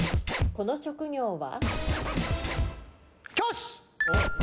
この職業は？